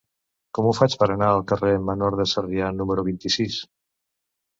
Com ho faig per anar al carrer Menor de Sarrià número vint-i-sis?